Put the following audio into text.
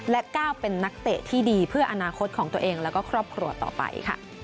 และก้าวเป็นนักเตะที่ดีเพื่ออนาคตของตัวเองแล้วก็ครอบครัวต่อไปค่ะ